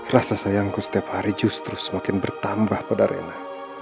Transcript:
rasa sayangku setiap hari justru semakin bertambah pada rena